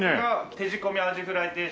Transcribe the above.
手仕込みアジフライ定食